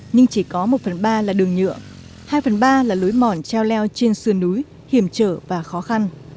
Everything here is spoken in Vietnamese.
nhưng chỉ có một phần ba là đường nhựa hai phần ba là lối mòn treo leo trên sườn núi hiểm trở và khó khăn